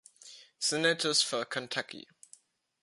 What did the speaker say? Senators for Kentucky.